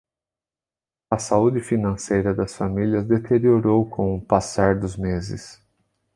A saúde financeira das famílias deteriorou com o passar dos meses